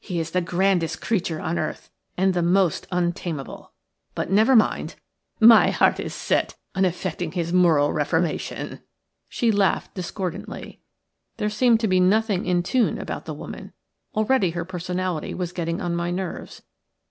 He is the grandest creature on earth and the most untamable. But never mind; my heart is set on effecting his moral reformation." She laughed discordantly. There seemed to be nothing in tune about the woman. Already her personality was getting on my nerves.